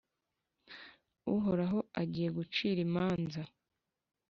Uhoraho agiye gucira imanza